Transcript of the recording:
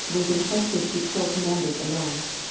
was intrusted to corps com manders alone.